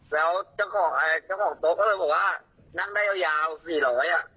แล้วเจ้าของโต๊ะก็เลยบอกว่านั่งได้ยาว๔๐๐อ่ะ